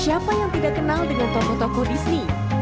siapa yang tidak kenal dengan tokoh tokoh disney